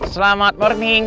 selamat pagi mbak michelle